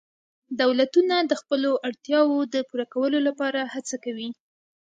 دولتونه د خپلو اړتیاوو د پوره کولو لپاره هڅه کوي